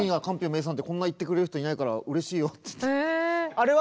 あれは？